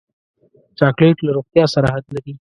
چاکلېټ له روغتیا سره حد لري.